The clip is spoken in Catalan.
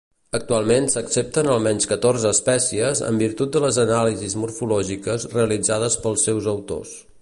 Actualment s'accepten almenys catorze espècies en virtut de les anàlisis morfològiques realitzades pels seus autors.